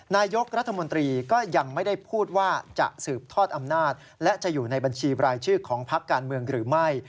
นายกรัฐมนตรีก็ยังไม่ได้พูดว่าจะสืบทอดอำนาจและจะอยู่ในบัญชีบรายชื่อของพักการเมืองหรือไม่